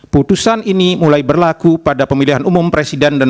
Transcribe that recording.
putusan ini mulai berlaku pada pemilihan umum presiden